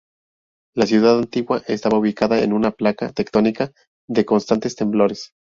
La ciudad antigua estaba ubicada en una placa tectónica de constantes temblores.